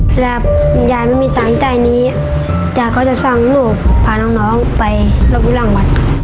เพราะยายไม่มีตามใจนี้ยายก็จะสั่งลูกพาน้องไปหลบอยู่หลังวัด